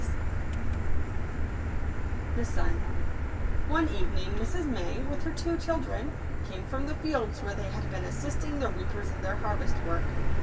•8 ®j it Jbirn* ■ NE evening Mrs. May, with her two children, came from the fields, where they had been assisting the reapers in their harvest work.